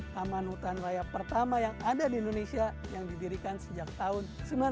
taman hutan raya pertama yang ada di indonesia yang didirikan sejak tahun seribu sembilan ratus sembilan puluh